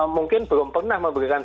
mungkin belum pernah memberikan